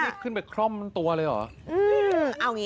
โหยนี่ขึ้นไปคล่อมตัวเลยหรอ